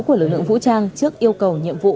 của lực lượng vũ trang trước yêu cầu nhiệm vụ